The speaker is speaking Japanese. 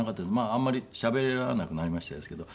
あんまりしゃべらなくなりましたですけど。